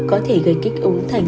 có thể gây kích ứng thành